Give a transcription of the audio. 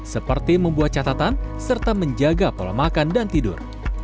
seperti membuat catatan serta menjaga pola makan dan tidur